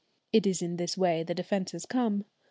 It is in this way that offences come.